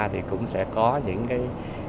thì cũng sẽ có những cái